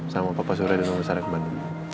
sama papa sore dan mamu sarang ke bandung